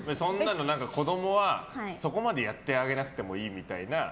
子供はそこまでやってあげなくてもいいみたいな。